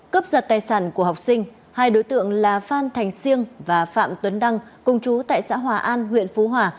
cấp giật tài sản của học sinh hai đối tượng là phan thành siêng và phạm tuấn đăng công chú tại xã hòa an huyện phú hòa